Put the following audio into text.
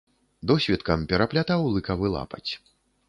Досвіткам пераплятаў лыкавы лапаць.